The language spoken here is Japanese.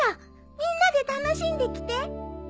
みんなで楽しんできて。